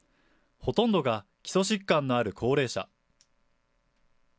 ほとんどが基礎疾患のある高齢者。